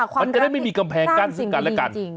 มันจะได้ไม่มีกำแพงกั้นซึ่งกันและกัน